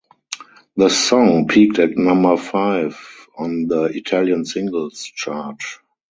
The song peaked at number five on the Italian Singles Chart.